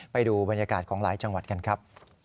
ไปดูบรรยากาศของหลายจังหวัดกันครับ